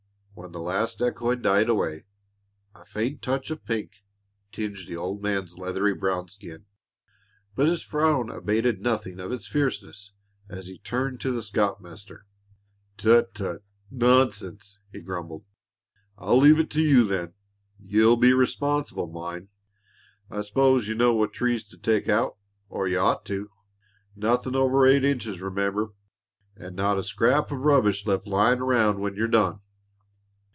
When the last echo had died away, a faint touch of pink tinged the old man's leathery brown skin. But his frown abated nothing of its fierceness as he turned to the scoutmaster. "Tut tut nonsense!" he grumbled. "I'll leave it to you, then; you'll be responsible, mind! I s'pose you know what trees to take out or you ought to. Nothin' over eight inches, remember, an' not a scrap o' rubbish left lyin' around when you're done."